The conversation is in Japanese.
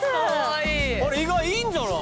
あれ意外いいんじゃない？